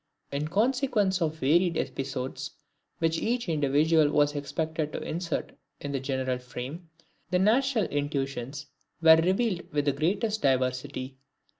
In consequence of the varied episodes which each individual was expected to insert in the general frame, the national intuitions were revealed with the greatest diversity.